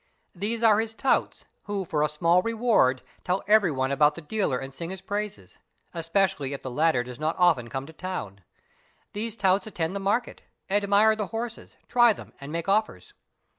'These are his touts who for a small reward tell every one about the dealer and sing his praises, especially if the latter does not often come to town. These touts attend the market, admire the horses, try them, and make offers.